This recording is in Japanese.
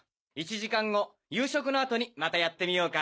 １時間後夕食の後にまたやってみようか。